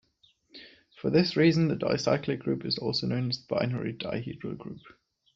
For this reason the dicyclic group is also known as the binary dihedral group.